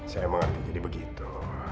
saya mengerti jadi begitu